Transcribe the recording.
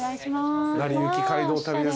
『なりゆき街道旅』です。